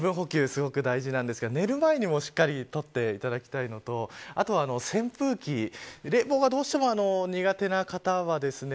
すごく大事なんですが寝る前にもしっかりとっていただきたいのとあとは扇風機冷房がどうしても苦手な方はですね